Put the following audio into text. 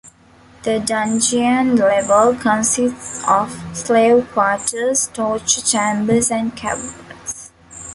The dungeon level consists of slave quarters, torture chambers, and caverns.